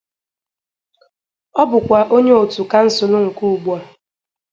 Ọ bụkwa onye otu Kansulu nke ugbua.